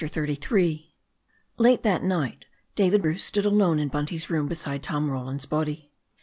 CHAPTER XXXIII LATE that night David Bruce stood alone in Bunty's room beside Tom Roland's body.